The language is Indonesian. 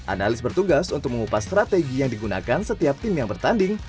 analis bertugas untuk mengupas strategi yang digunakan setiap tim yang bertanding